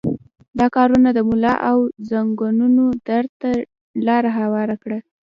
دا کارونه د ملا او زنګنونو درد ته لاره هواره کړه.